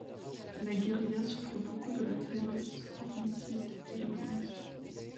La guérilla souffre beaucoup de la féroce offensive japonaise.